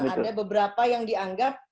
ada beberapa yang dianggap